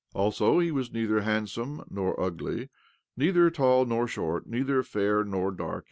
Also, he was neither hand 44 OBLOMOV some nor ugly, neither tall nor short, neither fair nor dark.